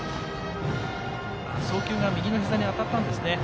送球が右のひざに当たったんですね。